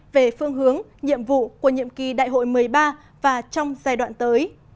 về phương hướng nhiệm vụ của nhiệm kỳ đại hội một mươi ba và trong giai đoạn tới